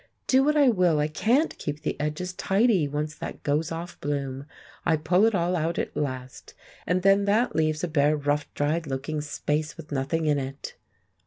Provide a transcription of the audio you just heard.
"Do what I will, I can't keep the edges tidy once that goes off bloom. I pull it all out at last, and then that leaves a bare rough dried looking space with nothing in it."